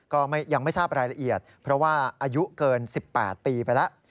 ก็ยังไม่ทราบรายละเอียดเพราะว่าอายุเกิน๑๘ปีไปแล้ว